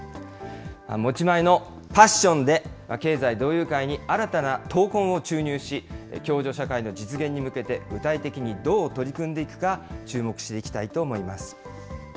持ち前のパッションで、経済同友会に新たな闘魂を注入し、共助社会の実現に向けて具体的にどう取り組んでいくか、注目していきたいと思います。